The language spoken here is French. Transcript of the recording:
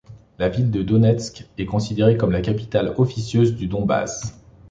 La ville de Donetsk est considérée comme la capitale officieuse du Donbass.